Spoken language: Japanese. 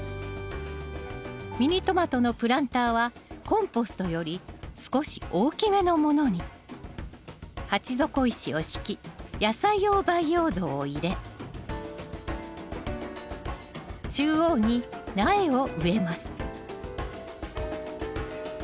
ミニトマトのプランターはコンポストより少し大きめのものに鉢底石を敷き野菜用培養土を入れ中央に苗を植えます